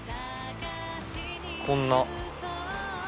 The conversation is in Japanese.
こんな。